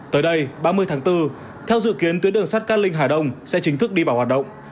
tới đây ba mươi tháng bốn theo dự kiến tuyến đường sắt cát linh hà đông sẽ chính thức đi vào hoạt động